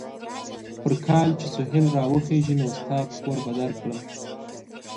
پر کال چې سهيل را وخېژي؛ نو ستا پور به در کړم.